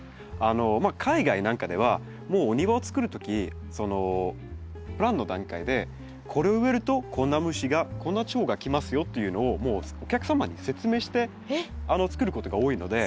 海外なんかではもうお庭を作る時そのプランの段階でこれを植えるとこんな虫がこんなチョウが来ますよっていうのをもうお客様に説明して作ることが多いので。